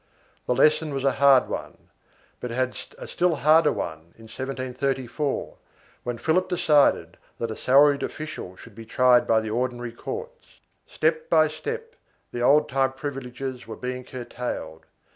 1 The lesson was a hard one, but it had a still harder one, in 1734, when Philip decided that a salaried official should be tried by the ordinary courts.2 Step by step the old time privileges were being curtailed.